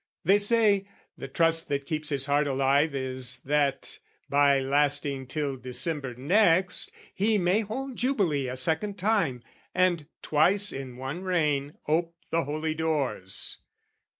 "They say, the trust that keeps his heart alive "Is that, by lasting till December next, "He may hold Jubilee a second time, "And, twice in one reign, ope the Holy Doors.